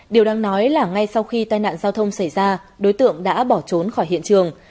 điều đáng nói là ngay sau khi tai nạn giao thông xảy ra đối tượng đã bỏ trốn khỏi hiện trường